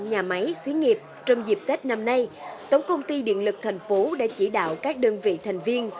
nhà máy xí nghiệp trong dịp tết năm nay tổng công ty điện lực thành phố đã chỉ đạo các đơn vị thành viên